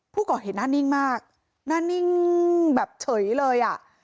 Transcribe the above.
ผู้ก่อเหตุหน้านิ่งมากหน้านิ่งแบบเฉยเลย